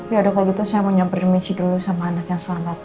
ya udah kalau gitu saya mau nyamperin missi dulu sama anak yang selamat